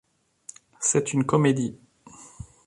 C'est une comédie.